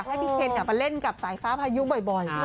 ให้พี่เคนมาเล่นกับสายฟ้าพายุบ่อย